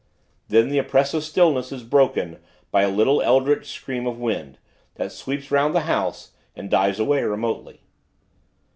Then, the oppressive stillness is broken by a little eldritch scream of wind, that sweeps 'round the house, and dies away, remotely.